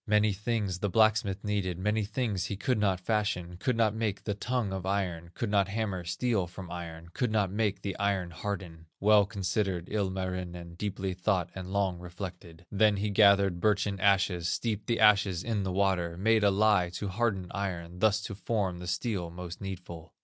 "Many things the blacksmith needed, Many things he could not fashion, Could not make the tongue of iron, Could not hammer steel from iron, Could not make the iron harden. Well considered Ilmarinen, Deeply thought and long reflected. Then he gathered birchen ashes, Steeped the ashes in the water, Made a lye to harden iron, Thus to form the steel most needful.